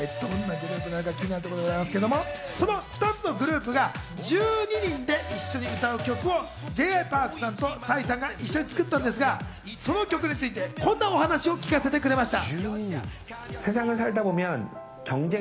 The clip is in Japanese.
その２つのグループが１２人で一緒に歌う曲をＪ．Ｙ．ＰａｒｋさんとＰＳＹさんが一緒に作ったんですが、その曲についてこんなお話を聞かせてくれました。